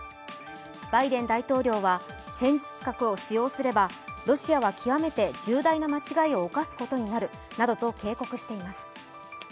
バイデン大統領は戦術核を使用すればロシアは極めて重大な間違いを犯すことになるなどと警告しています。